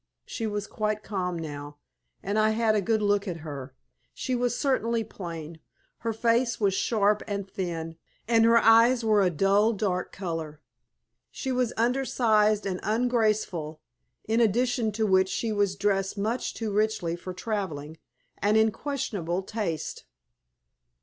She was quite calm now, and I had a good look at her. She was certainly plain. Her face was sharp and thin, and her eyes were a dull, dark color. She was undersized and ungraceful, in addition to which she was dressed much too richly for traveling, and in questionable taste.